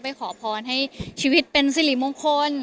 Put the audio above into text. ขอพรให้ชีวิตเป็นสิริมงคล